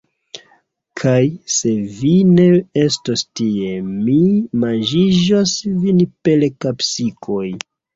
Kaj, se vi ne estos tie, mi manĝiĝos vin per kapsikoj!